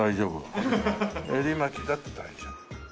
襟巻きだって大丈夫。